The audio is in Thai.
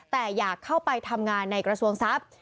แต่อยากเข้าไปทำงานในกระทรวงทรัพย์